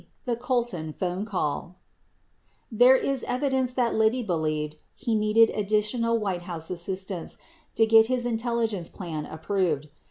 THE COLSON PHONE CALL There is evidence that Liddy believed he needed additional White House assistance to get his intelligence plan approved.